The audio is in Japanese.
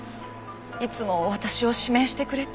いつも私を指名してくれて。